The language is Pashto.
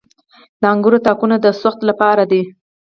د انګورو تاکونه د سوخت لپاره دي.